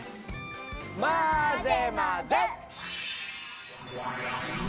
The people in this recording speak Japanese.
まぜまぜ！